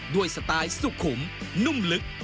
สไตล์สุขุมนุ่มลึก